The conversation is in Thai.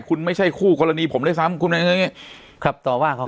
คุณไม่ใช่คู่กรณีผมด้วยซ้ำคุณเป็นอย่างงี้ครับต่อว่าเขา